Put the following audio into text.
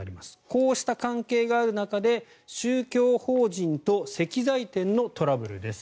こうした関係がある中で宗教法人と石材店のトラブルです。